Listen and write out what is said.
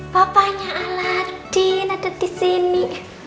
papanya aladin ada disini